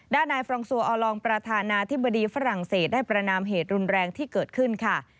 ด้านนายฟรองซัวอลองประธานาธิบดีฝรั่งเศสได้ประนามเหตุรุนแรงที่เกิดขึ้นค่ะ